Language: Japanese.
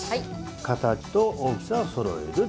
形と大きさをそろえる。